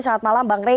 selamat malam bang rey